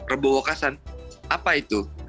rabu wekasan apa itu